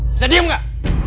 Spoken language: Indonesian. bisa diem gak